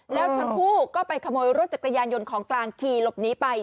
แล้วทั้งคู่ก็ไปขโมยรถจักรยานยนต์ของกลางขี่หลบหนีไป